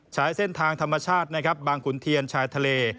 ใช้เส้นทางธรรมชาติบางกุลเทียนชายทะเล